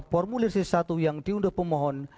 formulir c satu yang diunduh pemohon